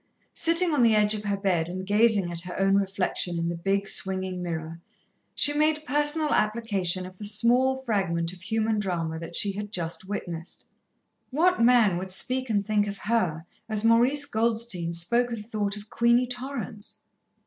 Sitting on the edge of her bed and gazing at her own reflection in the big, swinging mirror, she made personal application of the small fragment of human drama that she had just witnessed. What man would speak and think of her as Maurice Goldstein spoke and thought of Queenie Torrance?